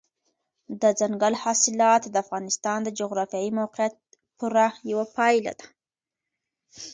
دځنګل حاصلات د افغانستان د جغرافیایي موقیعت پوره یوه پایله ده.